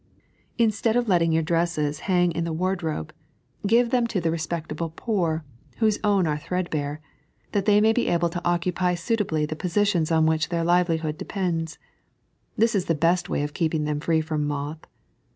Instead of letting your dresses hang in the wardrobe, 3.n.iized by Google Pbopoetionate Giving. 143 give them to the respectable poor whose own are threadbare, that they may be able to occupy suitably the positions on which their livelihood depends. This in the best way of keeping them free from moth.